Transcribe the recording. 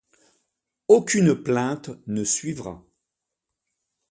Aucune plainte ne suivra.